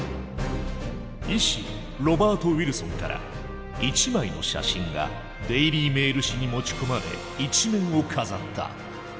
医師ロバート・ウィルソンから一枚の写真が「デイリー・メール」紙に持ち込まれ１面を飾った。